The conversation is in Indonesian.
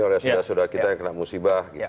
sudah sudah kita yang kena musibah